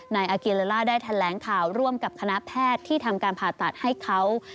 อาเกียเลล่าได้แถลงข่าวร่วมกับคณะแพทย์ที่ทำการผ่าตัดให้เขา